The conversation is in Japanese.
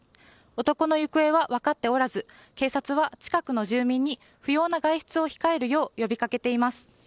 男の行方は分かっておらず警察は近くの住民に不要な外出を控えるよう呼びかけています。